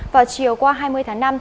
vào chiều qua hai mươi tháng năm